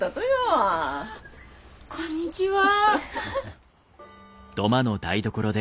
こんにちは。